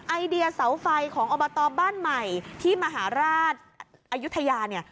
ไอเดียเสาไฟของอบตบ้านใหม่ที่มหาราชอายุทยาเนี่ย